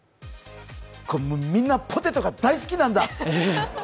みんなポテトが大好きなんだ。